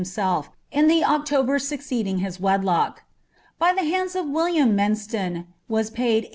ielf, in the October succeeding his wedlock :" pjr Ihe hands of William Menslon was paid Si.